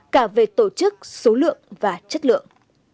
cả về tổ chức số lượng và chất lượng